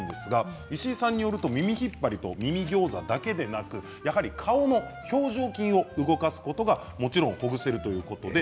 石井さんによると耳引っ張りと耳ギョーザだけではなく顔の表情筋を動かすことでもちろんほぐせるということです。